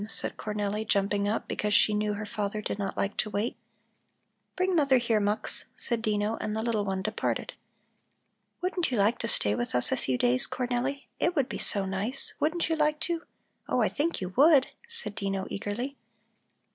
said Cornelli, jumping up because she knew her father did not like to wait. "Bring mother here, Mux," said Dino, and the little one departed. "Wouldn't you like to stay with us a few days, Cornelli? It would be so nice. Wouldn't you like to? Oh, I think you would!" said Dino eagerly.